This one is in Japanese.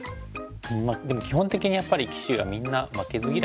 まあでも基本的にやっぱり棋士はみんな負けず嫌いですよね。